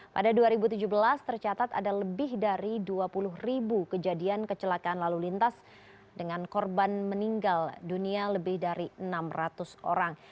pada dua ribu tujuh belas tercatat ada lebih dari dua puluh ribu kejadian kecelakaan lalu lintas dengan korban meninggal dunia lebih dari enam ratus orang